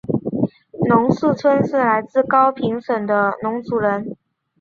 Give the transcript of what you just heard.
农氏春是来自高平省的侬族人。